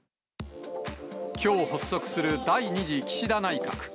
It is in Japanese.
きょう発足する第２次岸田内閣。